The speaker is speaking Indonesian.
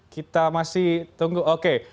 kita masih tunggu oke